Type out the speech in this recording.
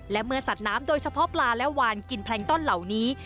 และเมื่อสัตว์น้ำโดยเฉพาะปลาและวานกินแพลงต้อนเหล่านี้